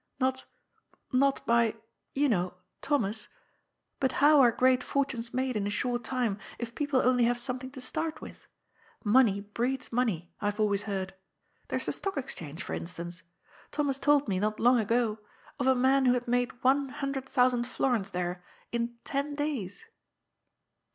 Not, not by — ^you know*— Thomas. But how are great fortunes made in a short time, if people only have something to start with? Money breeds money, I have always heard. There is the Stock Exchange, for instance. Thomas told me, not long ago, of a man who had made one hundred thousand florins there in ten days."